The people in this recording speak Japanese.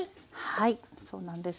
はいそうなんです。